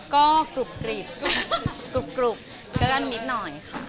ก็กรุบเกินนิดหน่อยค่ะ